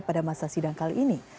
pada masa sidang kali ini